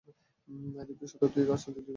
দ্বীপটি শতাব্দী ধরে রাজনৈতিকভাবে দুই ভাগে বিভক্ত।